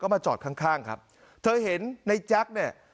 มาจอดข้างข้างครับเธอเห็นในแจ๊คเนี่ย